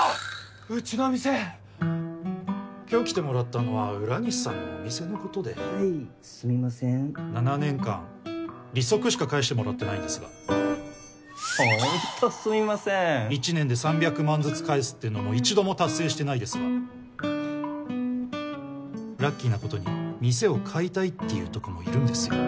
うちの店今日来てもらったのは浦西さんのお店のことではいすみません７年間利息しか返してもらってないんですがホントすみません１年で３００万ずつ返すっていうのも一度も達成してないですがラッキーなことに店を買いたいっていうとこもいるんですよ